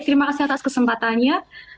terima kasih atas kesempatannya